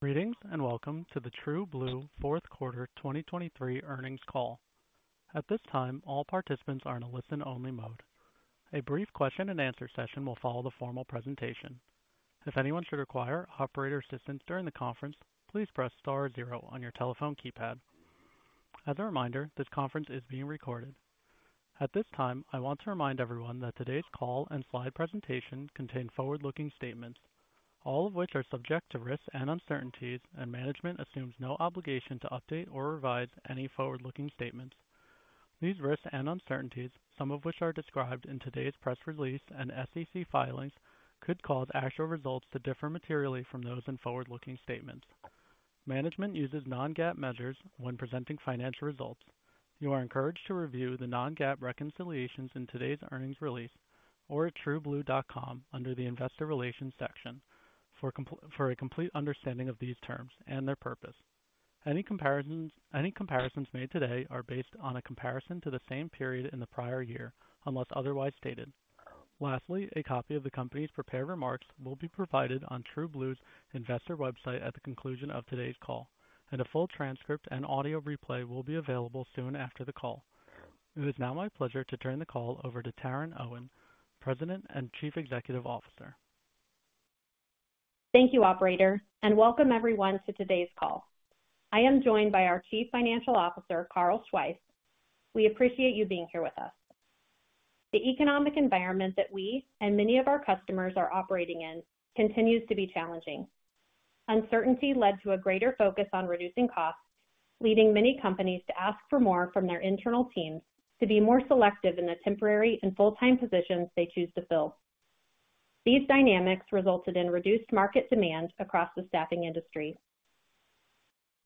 Greetings and welcome to the TrueBlue fourth quarter 2023 earnings call. At this time, all participants are in a listen-only mode. A brief question-and-answer session will follow the formal presentation. If anyone should require operator assistance during the conference, please press star zero on your telephone keypad. As a reminder, this conference is being recorded. At this time, I want to remind everyone that today's call and slide presentation contain forward-looking statements, all of which are subject to risks and uncertainties, and management assumes no obligation to update or revise any forward-looking statements. These risks and uncertainties, some of which are described in today's press release and SEC filings, could cause actual results to differ materially from those in forward-looking statements. Management uses non-GAAP measures when presenting financial results. You are encouraged to review the non-GAAP reconciliations in today's earnings release or at TrueBlue.com under the investor relations section for a complete understanding of these terms and their purpose. Any comparisons made today are based on a comparison to the same period in the prior year unless otherwise stated. Lastly, a copy of the company's prepared remarks will be provided on TrueBlue's investor website at the conclusion of today's call, and a full transcript and audio replay will be available soon after the call. It is now my pleasure to turn the call over to Taryn Owen, President and Chief Executive Officer. Thank you, operator, and welcome everyone to today's call. I am joined by our Chief Financial Officer, Carl Schweihs. We appreciate you being here with us. The economic environment that we and many of our customers are operating in continues to be challenging. Uncertainty led to a greater focus on reducing costs, leading many companies to ask for more from their internal teams to be more selective in the temporary and full-time positions they choose to fill. These dynamics resulted in reduced market demand across the staffing industry.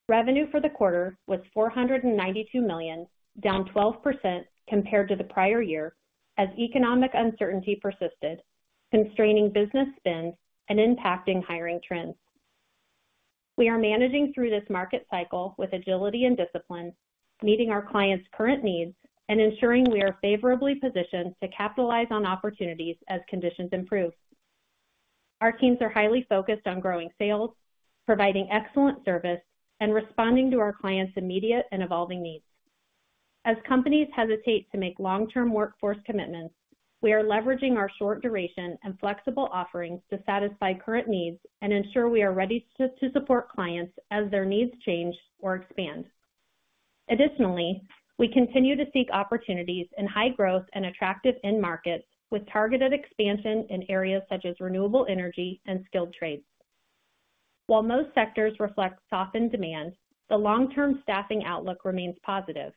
Revenue for the quarter was $492 million, down 12% compared to the prior year as economic uncertainty persisted, constraining business spend, and impacting hiring trends. We are managing through this market cycle with agility and discipline, meeting our clients' current needs, and ensuring we are favorably positioned to capitalize on opportunities as conditions improve. Our teams are highly focused on growing sales, providing excellent service, and responding to our clients' immediate and evolving needs. As companies hesitate to make long-term workforce commitments, we are leveraging our short duration and flexible offerings to satisfy current needs and ensure we are ready to support clients as their needs change or expand. Additionally, we continue to seek opportunities in high-growth and attractive end markets with targeted expansion in areas such as renewable energy and skilled trades. While most sectors reflect softened demand, the long-term staffing outlook remains positive.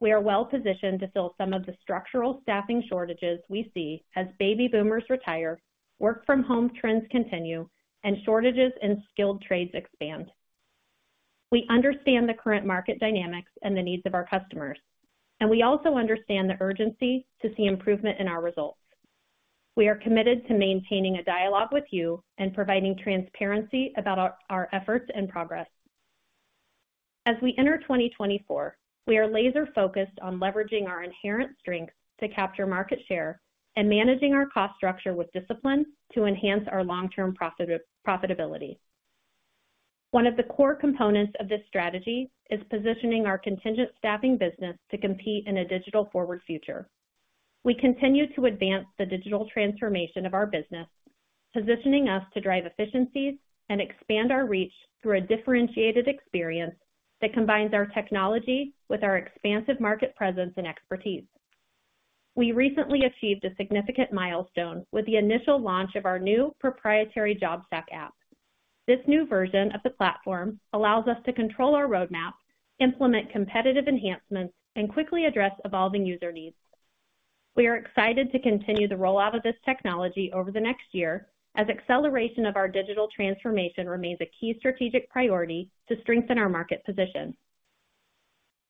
We are well-positioned to fill some of the structural staffing shortages we see as baby boomers retire, work-from-home trends continue, and shortages in skilled trades expand. We understand the current market dynamics and the needs of our customers, and we also understand the urgency to see improvement in our results. We are committed to maintaining a dialogue with you and providing transparency about our efforts and progress. As we enter 2024, we are laser-focused on leveraging our inherent strengths to capture market share and managing our cost structure with discipline to enhance our long-term profitability. One of the core components of this strategy is positioning our contingent staffing business to compete in a digital-forward future. We continue to advance the digital transformation of our business, positioning us to drive efficiencies and expand our reach through a differentiated experience that combines our technology with our expansive market presence and expertise. We recently achieved a significant milestone with the initial launch of our new proprietary JobStack app. This new version of the platform allows us to control our roadmap, implement competitive enhancements, and quickly address evolving user needs. We are excited to continue the rollout of this technology over the next year as acceleration of our digital transformation remains a key strategic priority to strengthen our market position.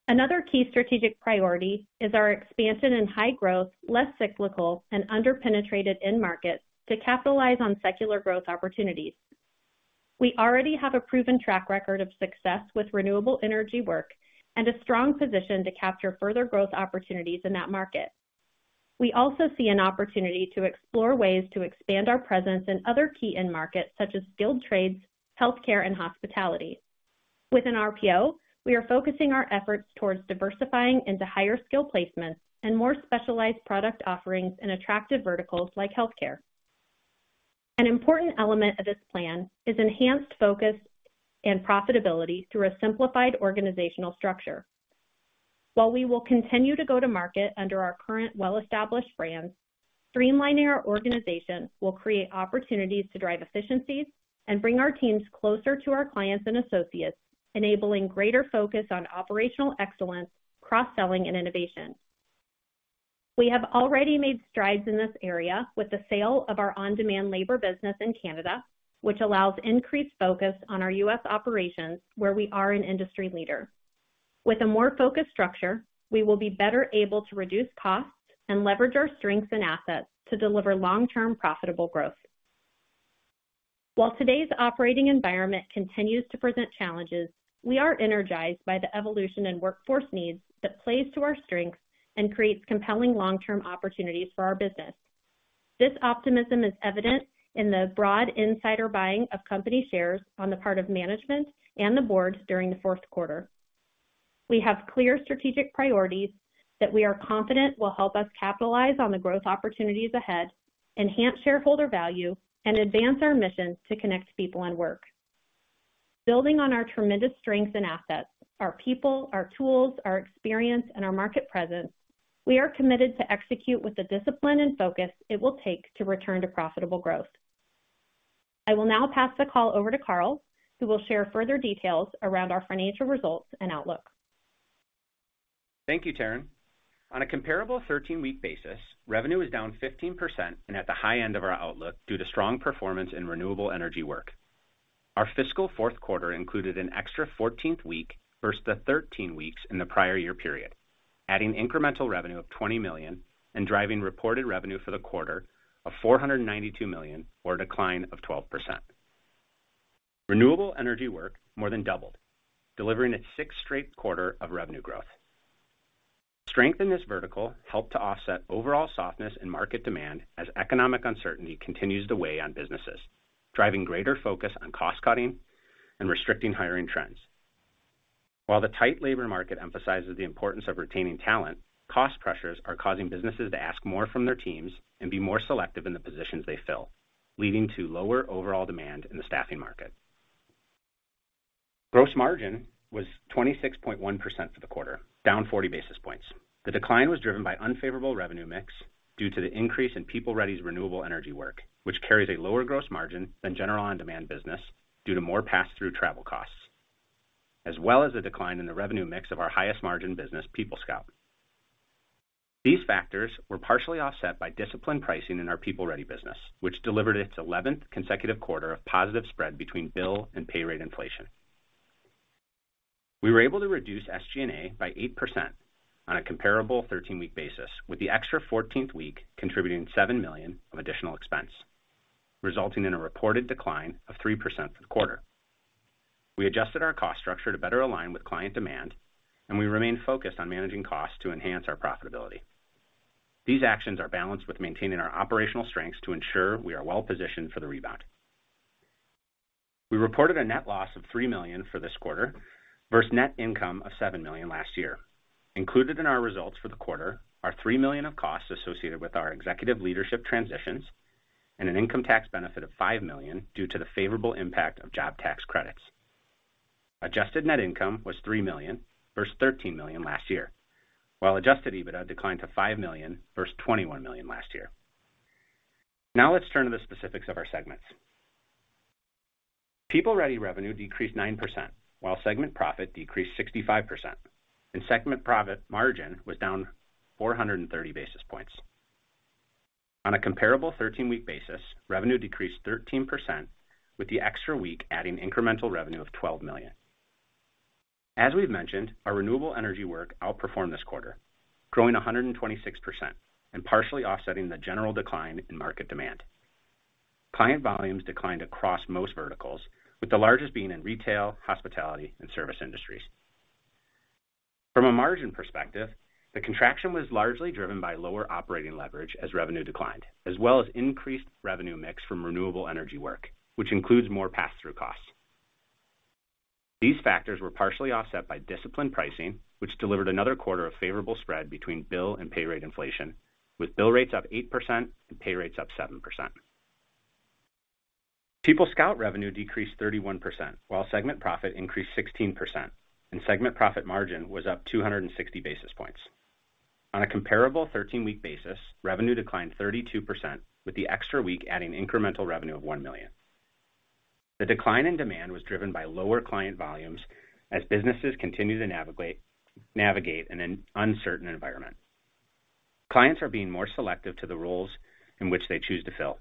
Another key strategic priority is our expansion in high-growth, less cyclical, and under-penetrated end markets to capitalize on secular growth opportunities. We already have a proven track record of success with renewable energy work and a strong position to capture further growth opportunities in that market. We also see an opportunity to explore ways to expand our presence in other key end markets such as skilled trades, healthcare, and hospitality. With an RPO, we are focusing our efforts towards diversifying into higher-skill placements and more specialized product offerings in attractive verticals like healthcare. An important element of this plan is enhanced focus and profitability through a simplified organizational structure. While we will continue to go to market under our current well-established brands, streamlining our organization will create opportunities to drive efficiencies and bring our teams closer to our clients and associates, enabling greater focus on operational excellence, cross-selling, and innovation. We have already made strides in this area with the sale of our on-demand labor business in Canada, which allows increased focus on our U.S. operations where we are an industry leader. With a more focused structure, we will be better able to reduce costs and leverage our strengths and assets to deliver long-term profitable growth. While today's operating environment continues to present challenges, we are energized by the evolution in workforce needs that plays to our strengths and creates compelling long-term opportunities for our business. This optimism is evident in the broad insider buying of company shares on the part of management and the board during the fourth quarter. We have clear strategic priorities that we are confident will help us capitalize on the growth opportunities ahead, enhance shareholder value, and advance our mission to connect people and work. Building on our tremendous strengths and assets, our people, our tools, our experience, and our market presence, we are committed to execute with the discipline and focus it will take to return to profitable growth. I will now pass the call over to Carl, who will share further details around our financial results and outlook. Thank you, Taryn. On a comparable 13-week basis, revenue is down 15% and at the high end of our outlook due to strong performance in renewable energy work. Our fiscal fourth quarter included an extra 14th week versus the 13 weeks in the prior year period, adding incremental revenue of $20 million and driving reported revenue for the quarter of $492 million, or a decline of 12%. Renewable energy work more than doubled, delivering a sixth straight quarter of revenue growth. Strength in this vertical helped to offset overall softness in market demand as economic uncertainty continues to weigh on businesses, driving greater focus on cost-cutting and restricting hiring trends. While the tight labor market emphasizes the importance of retaining talent, cost pressures are causing businesses to ask more from their teams and be more selective in the positions they fill, leading to lower overall demand in the staffing market. Gross margin was 26.1% for the quarter, down 40 basis points. The decline was driven by unfavorable revenue mix due to the increase in PeopleReady's renewable energy work, which carries a lower gross margin than general-on-demand business due to more pass-through travel costs, as well as a decline in the revenue mix of our highest-margin business, PeopleScout. These factors were partially offset by disciplined pricing in our PeopleReady business, which delivered its 11th consecutive quarter of positive spread between bill and payrate inflation. We were able to reduce SG&A by 8% on a comparable 13-week basis, with the extra 14th week contributing $7 million of additional expense, resulting in a reported decline of 3% for the quarter. We adjusted our cost structure to better align with client demand, and we remain focused on managing costs to enhance our profitability. These actions are balanced with maintaining our operational strengths to ensure we are well-positioned for the rebound. We reported a net loss of $3 million for this quarter versus net income of $7 million last year. Included in our results for the quarter are $3 million of costs associated with our executive leadership transitions and an income tax benefit of $5 million due to the favorable impact of job tax credits. Adjusted net income was $3 million versus $13 million last year, while Adjusted EBITDA declined to $5 million versus $21 million last year. Now let's turn to the specifics of our segments. PeopleReady revenue decreased 9%, while segment profit decreased 65%, and segment profit margin was down 430 basis points. On a comparable 13-week basis, revenue decreased 13%, with the extra week adding incremental revenue of $12 million. As we've mentioned, our renewable energy work outperformed this quarter, growing 126% and partially offsetting the general decline in market demand. Client volumes declined across most verticals, with the largest being in retail, hospitality, and service industries. From a margin perspective, the contraction was largely driven by lower operating leverage as revenue declined, as well as increased revenue mix from renewable energy work, which includes more pass-through costs. These factors were partially offset by disciplined pricing, which delivered another quarter of favorable spread between bill and pay rate inflation, with bill rates up 8% and pay rates up 7%. PeopleScout revenue decreased 31%, while segment profit increased 16%, and segment profit margin was up 260 basis points. On a comparable 13-week basis, revenue declined 32%, with the extra week adding incremental revenue of $1 million. The decline in demand was driven by lower client volumes as businesses continue to navigate an uncertain environment. Clients are being more selective to the roles in which they choose to fill,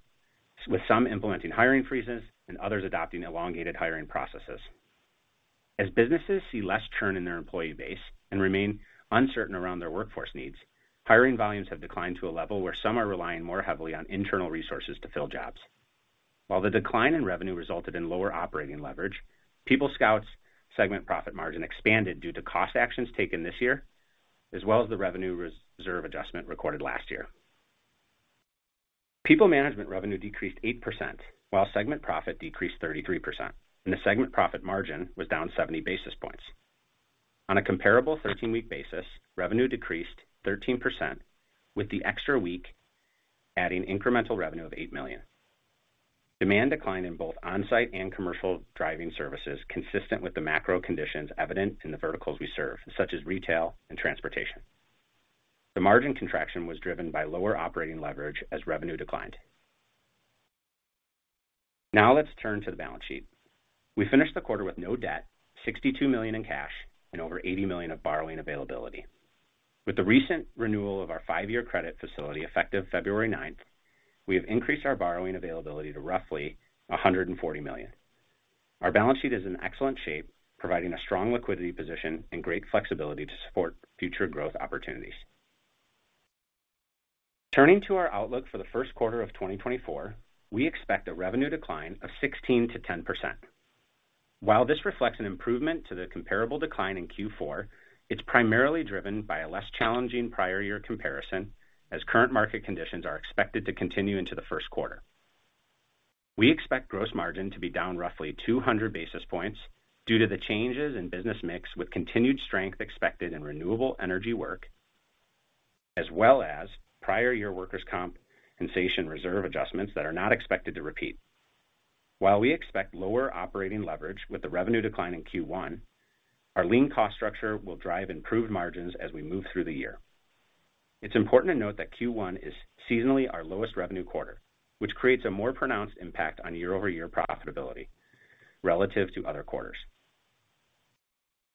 with some implementing hiring freezes and others adopting elongated hiring processes. As businesses see less churn in their employee base and remain uncertain around their workforce needs, hiring volumes have declined to a level where some are relying more heavily on internal resources to fill jobs. While the decline in revenue resulted in lower operating leverage, PeopleScout's segment profit margin expanded due to cost actions taken this year, as well as the revenue reserve adjustment recorded last year. PeopleManagement revenue decreased 8%, while segment profit decreased 33%, and the segment profit margin was down 70 basis points. On a comparable 13-week basis, revenue decreased 13%, with the extra week adding incremental revenue of $8 million. Demand declined in both on-site and commercial driving services, consistent with the macro conditions evident in the verticals we serve, such as retail and transportation. The margin contraction was driven by lower operating leverage as revenue declined. Now let's turn to the balance sheet. We finished the quarter with no debt, $62 million in cash, and over $80 million of borrowing availability. With the recent renewal of our five-year credit facility effective February 9th, we have increased our borrowing availability to roughly $140 million. Our balance sheet is in excellent shape, providing a strong liquidity position and great flexibility to support future growth opportunities. Turning to our outlook for the first quarter of 2024, we expect a revenue decline of 16%-10%. While this reflects an improvement to the comparable decline in Q4, it's primarily driven by a less challenging prior-year comparison as current market conditions are expected to continue into the first quarter. We expect gross margin to be down roughly 200 basis points due to the changes in business mix with continued strength expected in renewable energy work, as well as prior-year workers' compensation reserve adjustments that are not expected to repeat. While we expect lower operating leverage with the revenue decline in Q1, our lean cost structure will drive improved margins as we move through the year. It's important to note that Q1 is seasonally our lowest revenue quarter, which creates a more pronounced impact on year-over-year profitability relative to other quarters.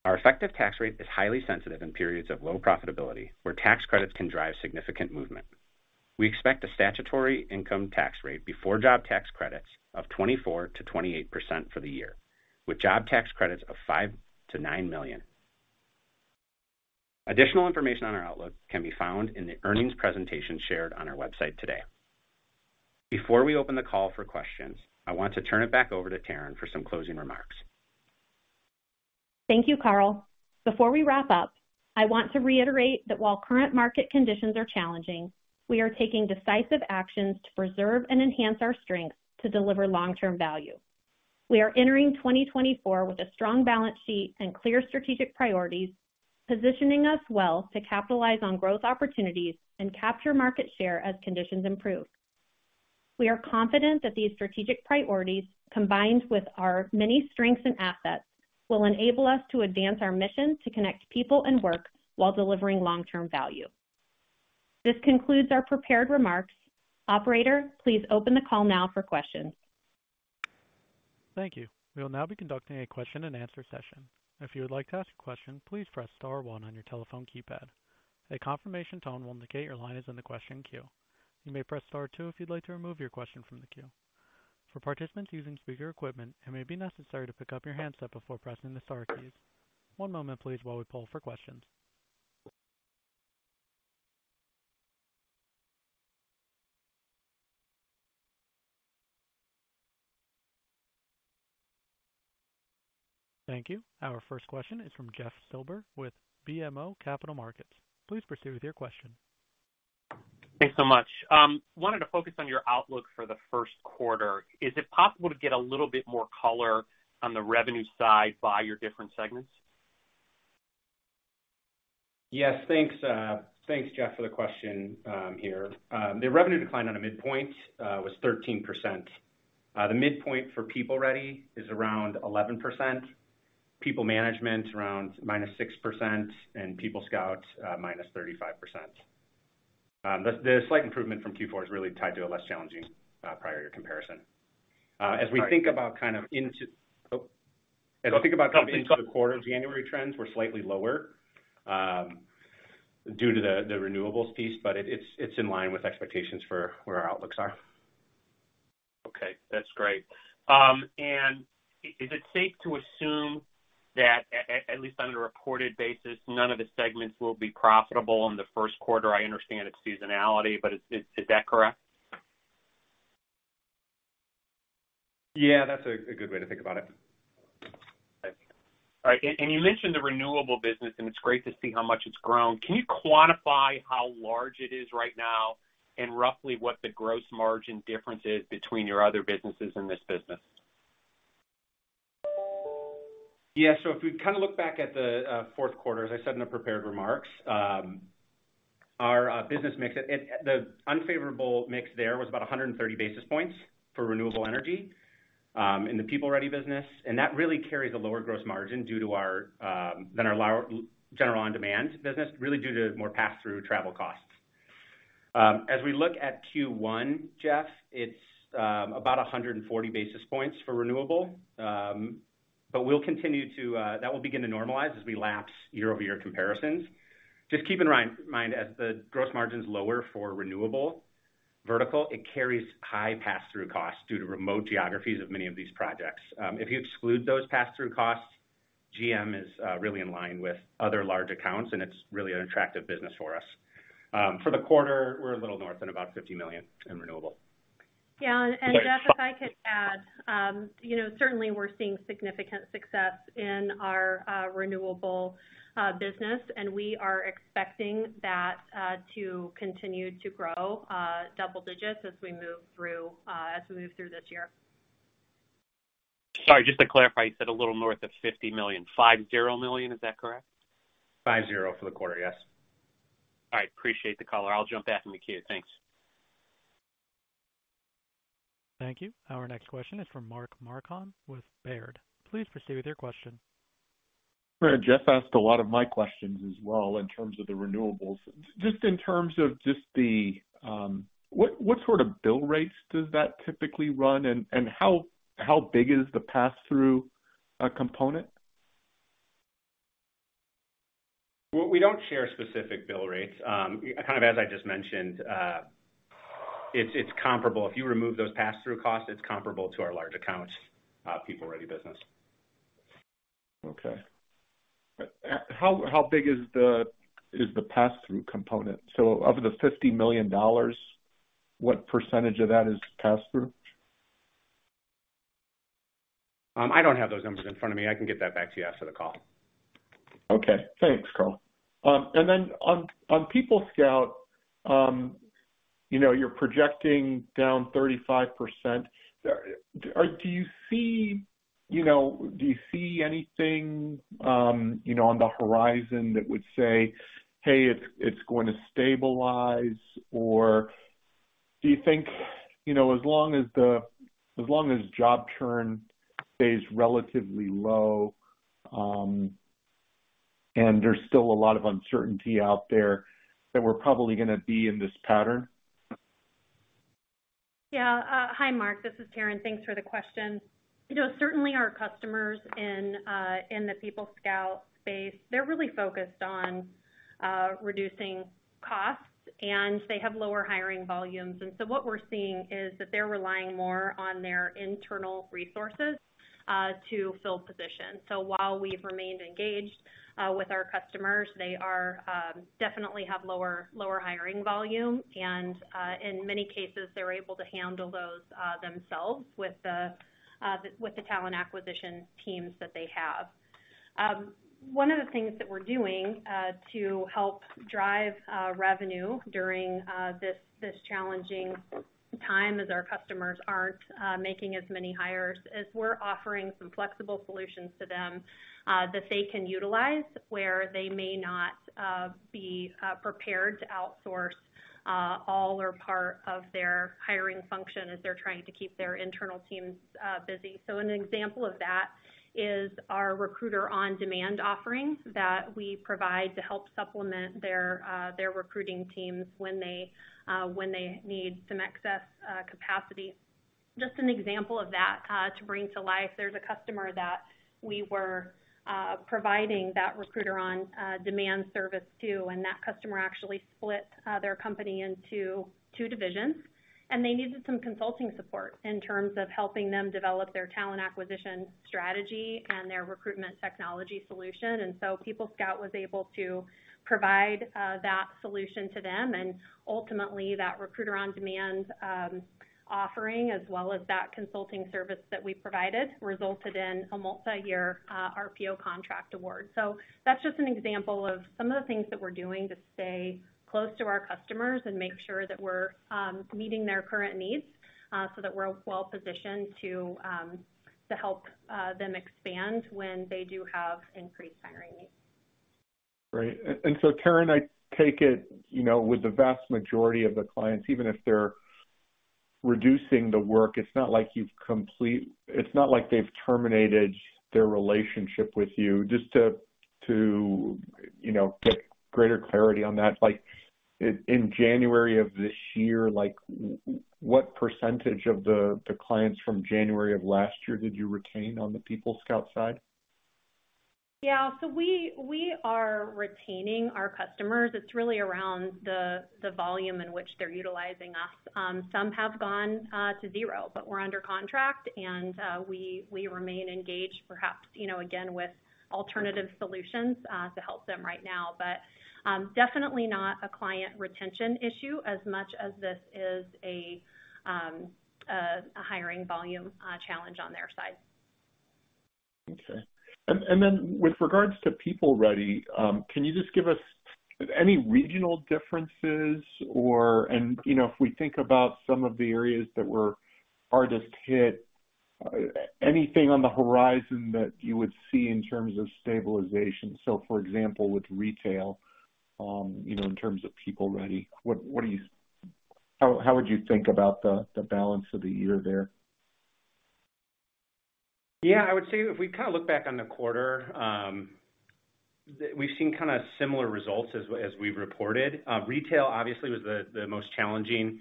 Our effective tax rate is highly sensitive in periods of low profitability where tax credits can drive significant movement. We expect a statutory income tax rate before job tax credits of 24%-28% for the year, with job tax credits of $5 million-$9 million. Additional information on our outlook can be found in the earnings presentation shared on our website today. Before we open the call for questions, I want to turn it back over to Taryn for some closing remarks. Thank you, Carl. Before we wrap up, I want to reiterate that while current market conditions are challenging, we are taking decisive actions to preserve and enhance our strengths to deliver long-term value. We are entering 2024 with a strong balance sheet and clear strategic priorities, positioning us well to capitalize on growth opportunities and capture market share as conditions improve. We are confident that these strategic priorities, combined with our many strengths and assets, will enable us to advance our mission to connect people and work while delivering long-term value. This concludes our prepared remarks. Operator, please open the call now for questions. Thank you. We will now be conducting a question-and-answer session. If you would like to ask a question, please press star 1 on your telephone keypad. A confirmation tone will indicate your line is in the question queue. You may press star 2 if you'd like to remove your question from the queue. For participants using speaker equipment, it may be necessary to pick up your handset before pressing the star keys. One moment, please, while we pull for questions. Thank you. Our first question is from Jeff Silber with BMO Capital Markets. Please proceed with your question. Thanks so much. Wanted to focus on your outlook for the first quarter. Is it possible to get a little bit more color on the revenue side by your different segments? Yes. Thanks, Jeff, for the question here. The revenue decline on a midpoint was 13%. The midpoint for PeopleReady is around 11%, PeopleManagement around -6%, and PeopleScout -35%. The slight improvement from Q4 is really tied to a less challenging prior-year comparison. As we think about kind of into the quarter January trends, we're slightly lower due to the renewables piece, but it's in line with expectations for where our outlooks are. Okay. That's great. Is it safe to assume that, at least on a reported basis, none of the segments will be profitable in the first quarter? I understand it's seasonality, but is that correct? Yeah, that's a good way to think about it. All right. And you mentioned the renewable business, and it's great to see how much it's grown. Can you quantify how large it is right now and roughly what the gross margin difference is between your other businesses and this business? Yeah. So if we kind of look back at the fourth quarter, as I said in the prepared remarks, our business mix the unfavorable mix there was about 130 basis points for renewable energy in the PeopleReady business, and that really carries a lower gross margin than our general-on-demand business, really due to more pass-through travel costs. As we look at Q1, Jeff, it's about 140 basis points for renewable, but we'll continue to that will begin to normalize as we lapse year-over-year comparisons. Just keep in mind, as the gross margin's lower for renewable vertical, it carries high pass-through costs due to remote geographies of many of these projects. If you exclude those pass-through costs, GM is really in line with other large accounts, and it's really an attractive business for us. For the quarter, we're a little north of about $50 million in renewable. Yeah. And Jeff, if I could add, certainly we're seeing significant success in our renewable business, and we are expecting that to continue to grow double digits as we move through this year. Sorry, just to clarify, you said a little north of $50 million. $50 million, is that correct? 50 for the quarter, yes. All right. Appreciate the caller. I'll jump back in the queue. Thanks. Thank you. Our next question is from Mark Marcon with Baird. Please proceed with your question. Jeff asked a lot of my questions as well in terms of the renewables. Just in terms of what sort of bill rates does that typically run, and how big is the pass-through component? We don't share specific bill rates. Kind of as I just mentioned, it's comparable. If you remove those pass-through costs, it's comparable to our large accounts, PeopleReady business. Okay. How big is the pass-through component? So of the $50 million, what percentage of that is pass-through? I don't have those numbers in front of me. I can get that back to you after the call. Okay. Thanks, Carl. Then on PeopleScout, you're projecting down 35%. Do you see anything on the horizon that would say, "Hey, it's going to stabilize"? Or do you think as long as job churn stays relatively low and there's still a lot of uncertainty out there, that we're probably going to be in this pattern? Yeah. Hi, Mark. This is Taryn. Thanks for the question. Certainly, our customers in the PeopleScout space, they're really focused on reducing costs, and they have lower hiring volumes. So what we're seeing is that they're relying more on their internal resources to fill positions. So while we've remained engaged with our customers, they definitely have lower hiring volume, and in many cases, they're able to handle those themselves with the talent acquisition teams that they have. One of the things that we're doing to help drive revenue during this challenging time, as our customers aren't making as many hires, is we're offering some flexible solutions to them that they can utilize where they may not be prepared to outsource all or part of their hiring function as they're trying to keep their internal teams busy. So an example of that is our Recruiter On-Demand offering that we provide to help supplement their recruiting teams when they need some excess capacity. Just an example of that to bring to life, there's a customer that we were providing that Recruiter On-Demand service to, and that customer actually split their company into two divisions, and they needed some consulting support in terms of helping them develop their talent acquisition strategy and their recruitment technology solution. And so PeopleScout was able to provide that solution to them, and ultimately, that Recruiter On-Demand offering, as well as that consulting service that we provided, resulted in a multi-year RPO contract award. That's just an example of some of the things that we're doing to stay close to our customers and make sure that we're meeting their current needs so that we're well-positioned to help them expand when they do have increased hiring needs. Great. And so, Taryn, I take it with the vast majority of the clients, even if they're reducing the work, it's not like they've terminated their relationship with you. Just to get greater clarity on that, in January of this year, what percentage of the clients from January of last year did you retain on the PeopleScout side? Yeah. We are retaining our customers. It's really around the volume in which they're utilizing us. Some have gone to zero, but we're under contract, and we remain engaged, perhaps again with alternative solutions to help them right now. Definitely not a client retention issue as much as this is a hiring volume challenge on their side. Okay. And then with regards to PeopleReady, can you just give us any regional differences? And if we think about some of the areas that were hardest hit, anything on the horizon that you would see in terms of stabilization? So, for example, with retail, in terms of PeopleReady, how would you think about the balance of the year there? Yeah. I would say if we kind of look back on the quarter, we've seen kind of similar results as we've reported. Retail, obviously, was the most challenging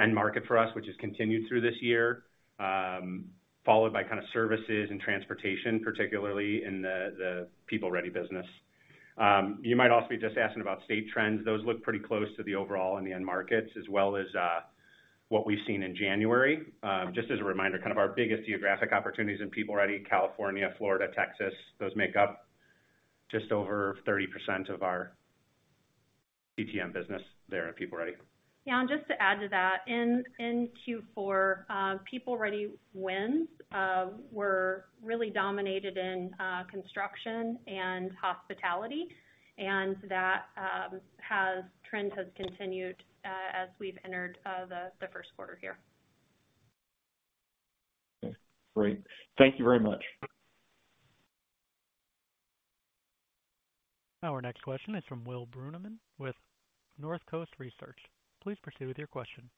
end market for us, which has continued through this year, followed by kind of services and transportation, particularly in the PeopleReady business. You might also be just asking about state trends. Those look pretty close to the overall in the end markets, as well as what we've seen in January. Just as a reminder, kind of our biggest geographic opportunities in PeopleReady, California, Florida, Texas, those make up just over 30% of our TTM business there in PeopleReady. Yeah. And just to add to that, in Q4, PeopleReady wins were really dominated in construction and hospitality, and that trend has continued as we've entered the first quarter here. Okay. Great. Thank you very much. Our next question is from Will Brunemann with North Coast Research. Please proceed with your question.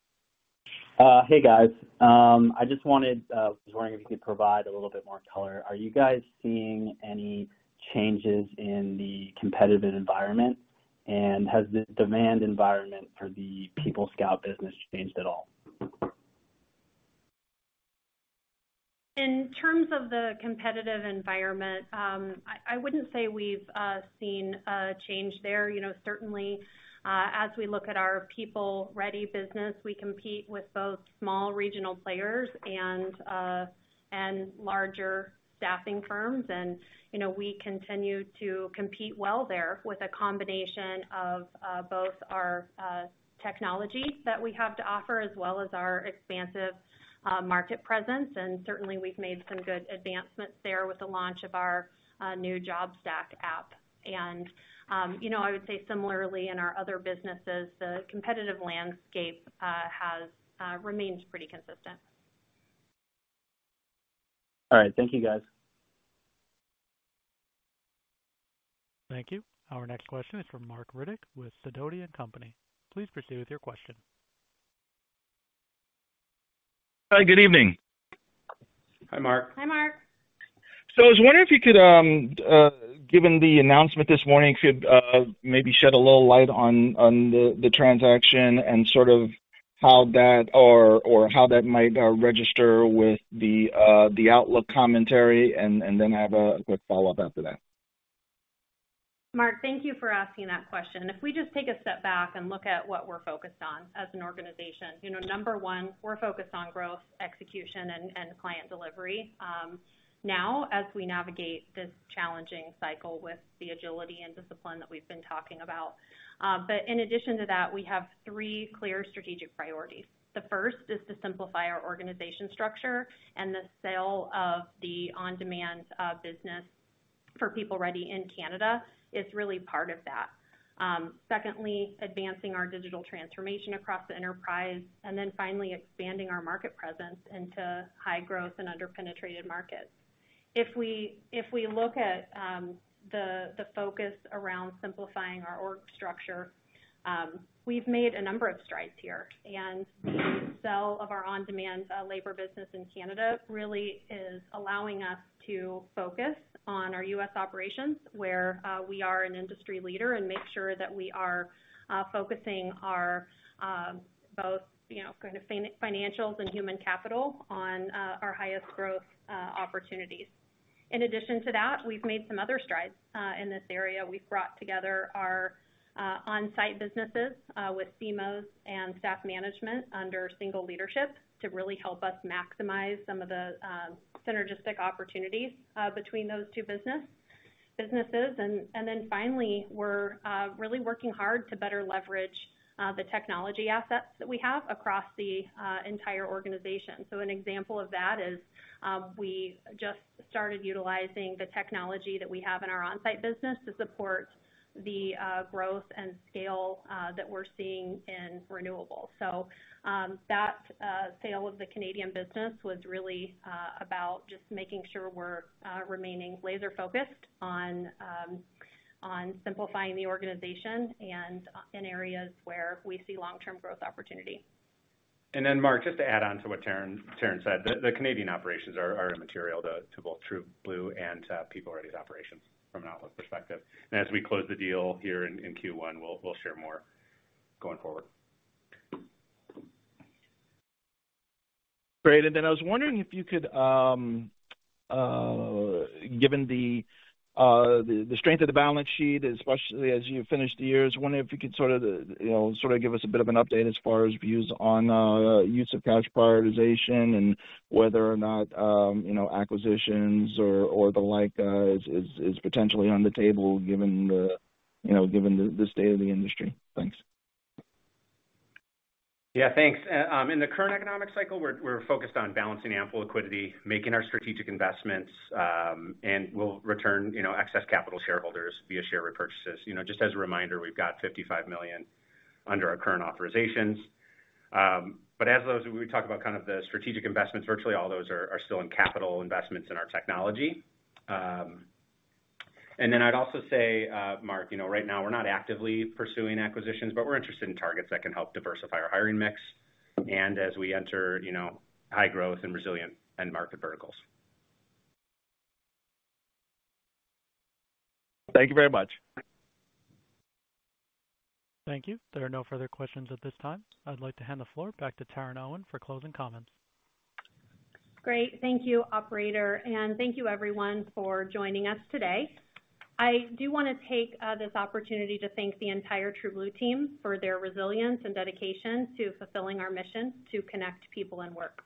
Hey, guys. I was wondering if you could provide a little bit more color. Are you guys seeing any changes in the competitive environment, and has the demand environment for the PeopleScout business changed at all? In terms of the competitive environment, I wouldn't say we've seen a change there. Certainly, as we look at our PeopleReady business, we compete with both small regional players and larger staffing firms, and we continue to compete well there with a combination of both our technology that we have to offer as well as our expansive market presence. And certainly, we've made some good advancements there with the launch of our new JobStack app. And I would say similarly, in our other businesses, the competitive landscape has remained pretty consistent. All right. Thank you, guys. Thank you. Our next question is from Mark Riddick with Sidoti & Company. Please proceed with your question. Hi. Good evening. Hi, Mark. Hi, Mark. I was wondering if you could, given the announcement this morning, if you'd maybe shed a little light on the transaction and sort of how that or how that might register with the outlook commentary, and then have a quick follow-up after that? Mark, thank you for asking that question. If we just take a step back and look at what we're focused on as an organization, number one, we're focused on growth, execution, and client delivery now as we navigate this challenging cycle with the agility and discipline that we've been talking about. In addition to that, we have three clear strategic priorities. The first is to simplify our organization structure, and the sale of the on-demand business for PeopleReady in Canada is really part of that. Secondly, advancing our digital transformation across the enterprise, and then finally, expanding our market presence into high-growth and under-penetrated markets. If we look at the focus around simplifying our org structure, we've made a number of strides here, and the sale of our on-demand labor business in Canada really is allowing us to focus on our U.S. operations, where we are an industry leader, and make sure that we are focusing both kind of financials and human capital on our highest growth opportunities. In addition to that, we've made some other strides in this area. We've brought together our on-site businesses with SIMOS and Staff Management under single leadership to really help us maximize some of the synergistic opportunities between those two businesses. Then finally, we're really working hard to better leverage the technology assets that we have across the entire organization. So an example of that is we just started utilizing the technology that we have in our on-site business to support the growth and scale that we're seeing in renewables. So that sale of the Canadian business was really about just making sure we're remaining laser-focused on simplifying the organization in areas where we see long-term growth opportunity. And then, Mark, just to add on to what Taryn said, the Canadian operations are immaterial to both TrueBlue and PeopleReady's operations from an outlook perspective. As we close the deal here in Q1, we'll share more going forward. Great. And then I was wondering if you could, given the strength of the balance sheet, especially as you've finished the year, I was wondering if you could sort of give us a bit of an update as far as views on use of cash prioritization and whether or not acquisitions or the like is potentially on the table given the state of the industry. Thanks. Yeah. Thanks. In the current economic cycle, we're focused on balancing ample liquidity, making our strategic investments, and we'll return excess capital shareholders via share repurchases. Just as a reminder, we've got 55 million under our current authorizations. But as we talk about kind of the strategic investments, virtually all those are still in capital investments in our technology. And then I'd also say, Mark, right now, we're not actively pursuing acquisitions, but we're interested in targets that can help diversify our hiring mix and as we enter high growth and resilient end market verticals. Thank you very much. Thank you. There are no further questions at this time. I'd like to hand the floor back to Taryn Owen for closing comments. Great. Thank you, operator. Thank you, everyone, for joining us today. I do want to take this opportunity to thank the entire TrueBlue team for their resilience and dedication to fulfilling our mission to connect people and work.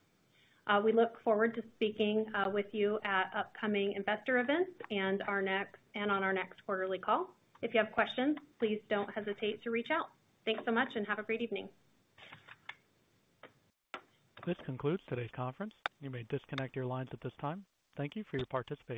We look forward to speaking with you at upcoming investor events and on our next quarterly call. If you have questions, please don't hesitate to reach out. Thanks so much, and have a great evening. This concludes today's conference. You may disconnect your lines at this time. Thank you for your participation.